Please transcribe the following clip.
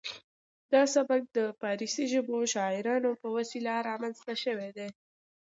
دا سبک د پارسي ژبو شاعرانو په وسیله رامنځته شوی دی